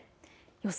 予想